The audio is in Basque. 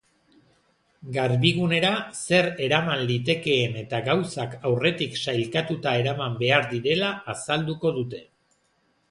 Garbigunera zer eraman litekeen eta gauzak aurretik sailkatuta eraman behar direla azalduko dute.